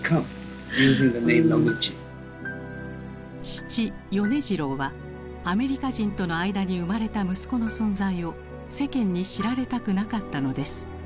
父米次郎はアメリカ人との間に生まれた息子の存在を世間に知られたくなかったのです。